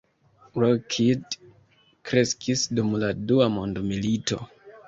Lockheed kreskis dum la Dua mondmilito.